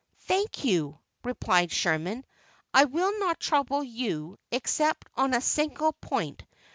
"Thank you," replied Sherman; "I will not trouble you except on a single point.